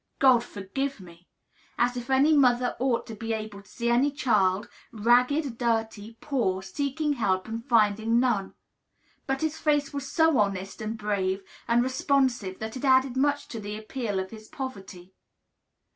God forgive me! As if any mother ought to be able to see any child, ragged, dirty, poor, seeking help and finding none! But his face was so honest, and brave, and responsive that it added much to the appeal of his poverty.